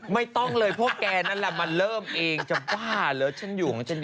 ไม่ต้องเลยพวกแกนั่นแหละมาเริ่มเองจะบ้าเหรอฉันอยู่ของฉัน